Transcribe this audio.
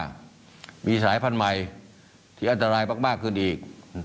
ว่ามีสายพันธุ์ใหม่ที่อันตรายมากขึ้นอีก